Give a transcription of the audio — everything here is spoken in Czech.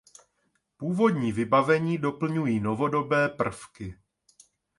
Původní vybavení doplňují novodobé prvky.